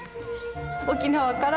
沖縄から！